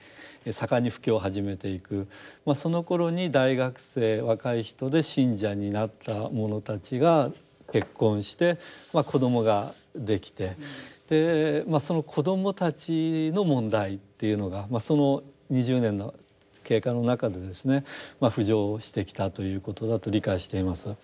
そのころに大学生若い人で信者になった者たちが結婚して子どもができてその子どもたちの問題というのがその２０年の経過の中でですね浮上してきたということだと理解しています。